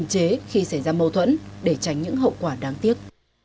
chế khi xảy ra mâu thuẫn để tránh những hậu quả đáng tiếc